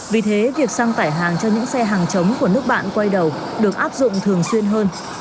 vì thế việc xăng tải hàng cho những xe hàng chống của nước bạn quay đầu được áp dụng thường xuyên hơn